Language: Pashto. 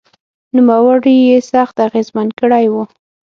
نوموړي یې سخت اغېزمن کړی و